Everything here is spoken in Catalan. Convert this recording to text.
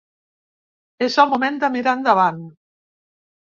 És el moment de mirar endavant.